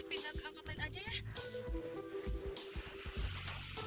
pindah ke amfotain aja ya